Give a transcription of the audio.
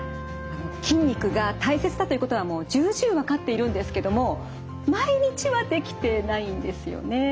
筋肉が大切だということはもう重々分かっているんですけども毎日はできてないんですよね。